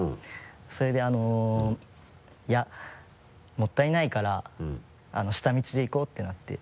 それであのいやもったいないから下道で行こうってなって。